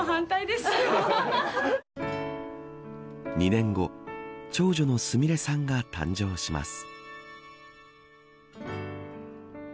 ２年後、長女のすみれさんが誕生します。